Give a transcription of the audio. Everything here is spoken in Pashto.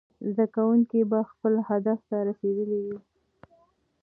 زده کوونکي به خپل هدف ته رسېدلي وي.